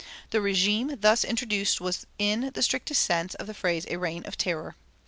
The régime thus introduced was, in the strictest sense of the phrase, "a reign of terror."